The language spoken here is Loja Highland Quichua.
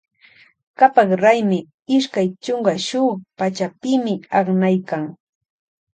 Kapak raymi ishkay chunka shuk pachapimi aknaykan.